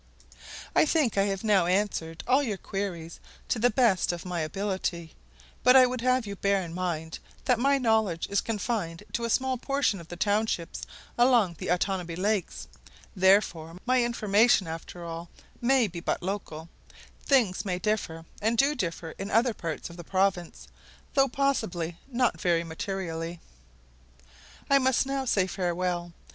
I think I have now answered all your queries to the best of my ability; but I would have you bear in mind that my knowledge is confined to a small portion of the townships along the Otanabee lakes, therefore, my information after all, may be but local: things may differ, and do differ in other parts of the province, though possibly not very materially. I must now say farewell.